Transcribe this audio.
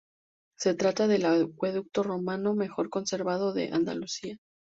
Se trata del acueducto romano mejor conservado de Andalucía.